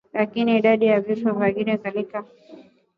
Lakini idadi ya vifo vya ndigana kali inakuwa ndogo